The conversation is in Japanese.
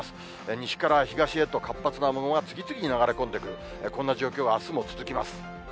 西から東へと活発な雨雲が次々に流れ込んでくる、こんな状況があすも続きます。